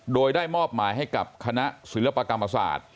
โดยได้มอบหมายให้กับคณะศิลปกรรมศาสตร์